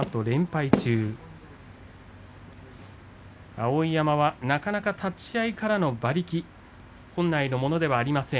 碧山は立ち合いからの馬力が本来のものではありません。